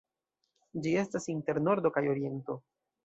Ĝi estas inter Nordo kaj Oriento.